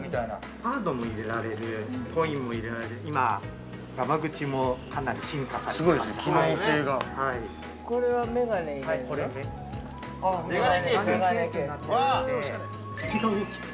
◆カードも入れられる、コインも入れられる、今、がま口もかなり進化されてまして。